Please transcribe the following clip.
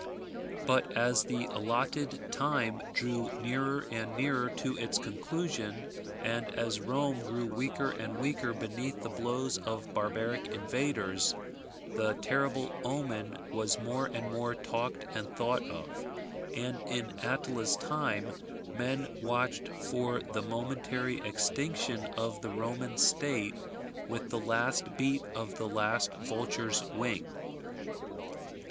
But as the allotted time drew nearer and nearer to its conclusion, and as Rome grew weaker and weaker beneath the blows of barbaric invaders, the terrible omen was more and more talked and thought of; and in Attila's time, men watched for the momentary extinction of the Roman state with the last beat of the last vulture's wing.